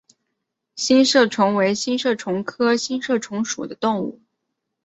星射虫为星射虫科星射虫属的动物。